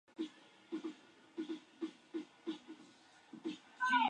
Estas múltiples transformaciones le dan un carácter compuesto, sin consistencia real.